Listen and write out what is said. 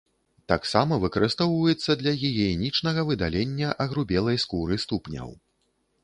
Таксама выкарыстоўваецца для гігіенічнага выдалення агрубелай скуры ступняў.